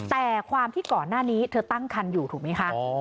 แต่ความที่ก่อนหน้านี้เธอตั้งคันอยู่ถูกไหมคะ